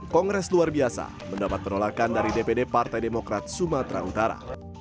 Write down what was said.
kongres luar biasa mendapat penolakan dari dpd partai demokrat sumatera utara